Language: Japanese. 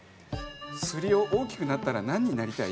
「スリ夫大きくなったらなんになりたい？」